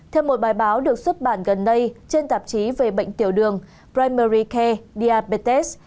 theo một bài báo được xuất bản gần nay trên tạp chí về bệnh tiểu đường primary care diabetes